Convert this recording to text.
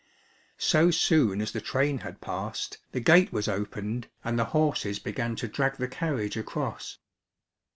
So soon as the train had passed, the gate was opened and the horses began to drag the carriage across.